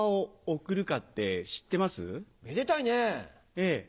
ええ。